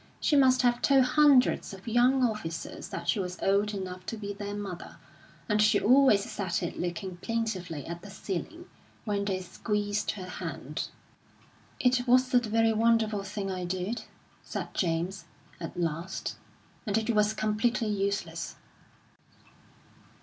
She must have told hundreds of young officers that she was old enough to be their mother; and she always said it looking plaintively at the ceiling, when they squeezed her hand. "It wasn't a very wonderful thing I did," said James, at last, "and it was completely useless."